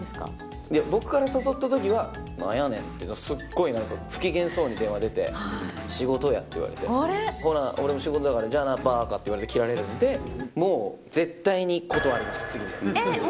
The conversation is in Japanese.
僕から誘ったときは、なんやねんって、すごいなんか、不機嫌そうに電話出て、仕事やって言われて、ほな、俺も仕事だからじゃあな、ばーかって言われて切られるんで、もう、絶対に断ります、次も。